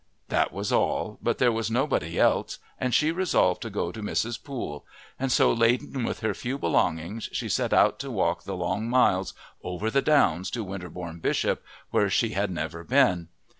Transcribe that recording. That was all; but there was nobody else, and she resolved to go to Mrs. Poole, and so laden with her few belongings she set out to walk the long miles over the downs to Winterbourne Bishop where she had never been.